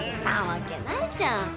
なわけないじゃん。